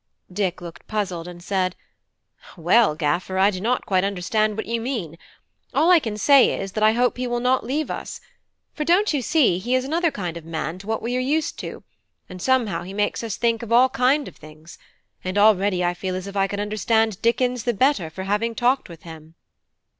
Dick looked puzzled, and said: "Well, gaffer, I do not quite understand what you mean. All I can say is, that I hope he will not leave us: for don't you see, he is another kind of man to what we are used to, and somehow he makes us think of all kind of things; and already I feel as if I could understand Dickens the better for having talked with him."